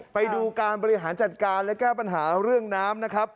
ไปดูการบริหารจัดการและแก้ปัญหาเรื่องน้ำนะครับ